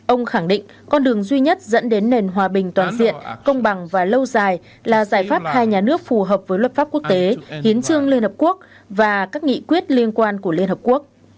ông khẳng định con đường duy nhất dẫn đến nền hòa bình toàn diện công bằng và lâu dài là giải pháp hai nhà nước phù hợp với luật pháp quốc tế hiến trương liên hợp quốc và các nghị quyết liên quan của liên hợp quốc